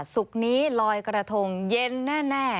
ศุกร์นี้ลอยกระทงเย็นแน่